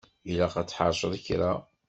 Ilaq ad tḥerceḍ kra.